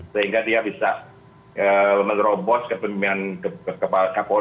sehingga dia bisa menerobos kebanyakan kapolri